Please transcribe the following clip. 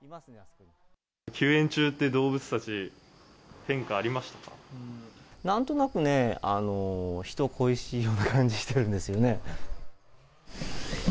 休園中って、動物たち、なんとなくね、人恋しいような感じしてるんですよね。